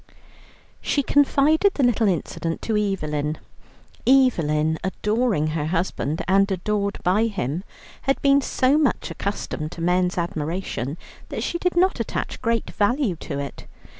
She confided the little incident to Evelyn. Evelyn, adoring her husband and adored by him, had been so much accustomed to men's admiration that she did not attach great value to it.